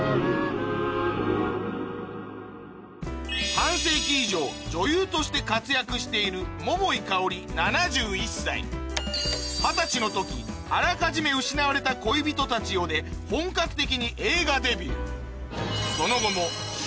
半世紀以上女優として活躍している２０歳の時『あらかじめ失われた恋人たちよ』で本格的に映画デビュー